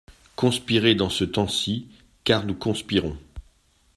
Conspirer dans ce temps-ci !… car nous conspirons .